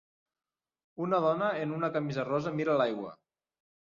Una dona en una camisa Rosa mira l'aigua.